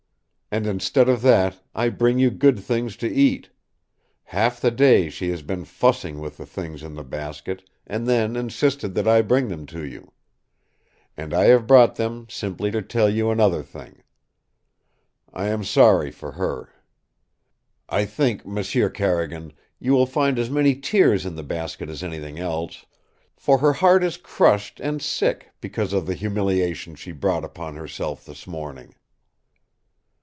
And instead of that I bring you good things to eat! Half the day she has been fussing with the things in the basket, and then insisted that I bring them to you. And I have brought them simply to tell you another thing. I am sorry for her. I think, M'sieu Carrigan, you will find as many tears in the basket as anything else, for her heart is crushed and sick because of the humiliation she brought upon herself this morning."